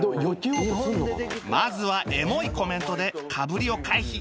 まずはエモいコメントでかぶりを回避